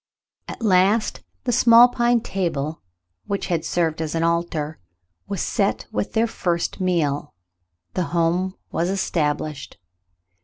At last the small pine table, which had served as an altar, was set with their first meal. The home A^as established.